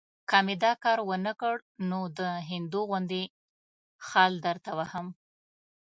که مې دا کار ونه کړ، نو د هندو غوندې خال درته وهم.